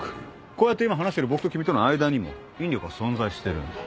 こうやって今話してる僕と君との間にも引力は存在してるんだ。